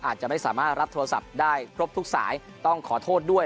อาจจะไม่สามารถรับโทรศัพท์ได้ครบทุกสายต้องขอโทษด้วย